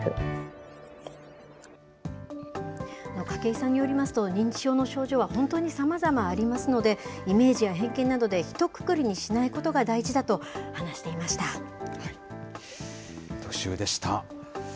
筧さんによりますと、認知症の症状は本当にさまざまありますので、イメージや偏見などでひとくくりにしないことが大事だと話してい特集でした。